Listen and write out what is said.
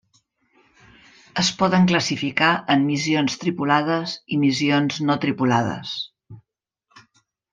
Es poden classificar en missions tripulades i missions no tripulades.